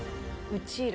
うちら？